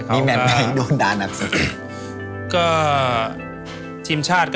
อ่าไม่ได้ด่างใจ